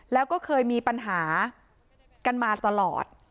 แล้วก็เคยมีปัญหากันมาตลอด